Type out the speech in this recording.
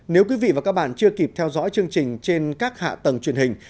nếu quý vị và các bạn chưa kịp theo dõi chương trình trên các hạ tầng truyền hình